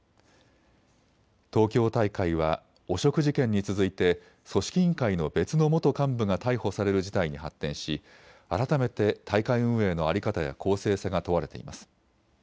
東京大会は汚職事件に続いて組織委員会の別の元幹部が逮捕される事態に発展し改めて大会運営の在り方や公正さが問われています。